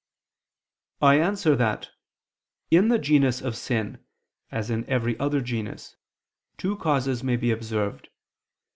I answer that, In the genus of sin, as in every other genus, two causes may be observed.